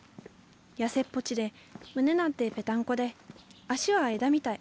痩せっぽちで胸なんてぺたんこで足は枝みたい。